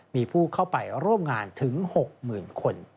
มีผู้เข้าไปโรบงานถึงหกหมื่นคน